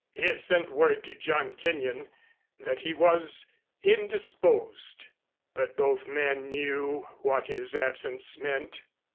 He had sent word to John Kenyon that he was indisposed, but both men knew what his absence meant.